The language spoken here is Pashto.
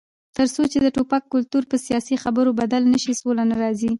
تر څو چې د ټوپک کلتور په سیاسي خبرو بدل نشي، سوله نه راځي.